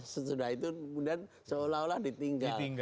sesudah itu kemudian seolah olah ditinggal